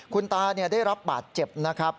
คุณตาได้รับบาดเจ็บนะครับ